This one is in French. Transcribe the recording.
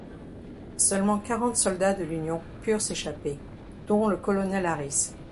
Seulement quarante soldats de l'Union purent s'échapper, dont le colonel Harris.